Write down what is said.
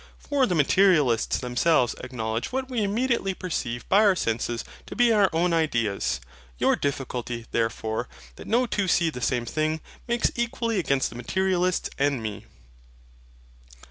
For the Materialists themselves acknowledge what we immediately perceive by our senses to be our own ideas. Your difficulty, therefore, that no two see the same thing, makes equally against the Materialists and me.